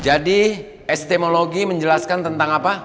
jadi estimologi menjelaskan tentang apa